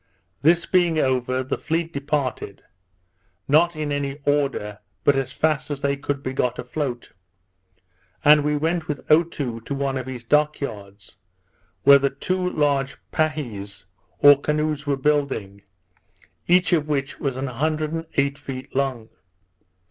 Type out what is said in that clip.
This being over, the fleet departed; not in any order, but as fast as they could be got afloat; and we went with Otoo to one of his dock yards, where the two large pahies or canoes were building, each of which was an hundred and eight feet long.